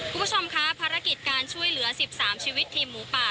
คุณผู้ชมคะภารกิจการช่วยเหลือ๑๓ชีวิตทีมหมูป่า